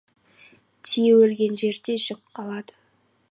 Түйе өлген жерде жүк қалады.